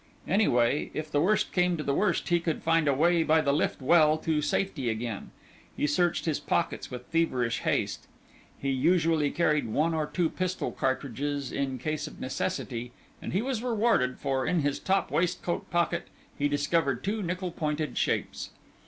Anyway, if the worst came to the worst, he could find a way by the lift well to safety again. He searched his pockets with feverish haste. He usually carried one or two pistol cartridges in case of necessity, and he was rewarded, for, in his top waistcoat pocket, he discovered two nickel pointed shapes.